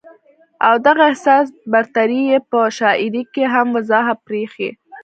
او دغه احساس برتري ئې پۀ شاعرۍ کښې هم واضحه برېښي